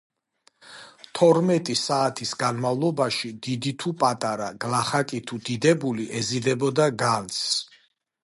თორმეტი საათის განმავლობაში, დიდი თუ პატარა, გლახაკი თუ დიდებული ეზიდებოდა განძს.